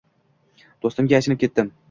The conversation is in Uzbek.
Doʻstimga achinib ketdim.